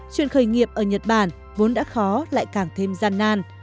chuyện khởi nghiệp ở nhật bản vốn đã khó lại càng thêm gian nan